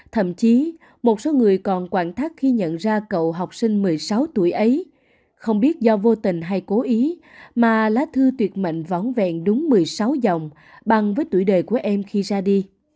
thậm chí một số người còn quảng thác khi nhận ra cậu học sinh một mươi sáu tuổi ấy không biết do vô tình hay cố ý mà lá thư tuyệt mệnh vón vẹn đúng một mươi sáu dòng bằng với tuổi đời của em khi ra đi